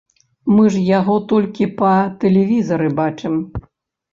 Мы ж яго толькі па тэлевізары бачым.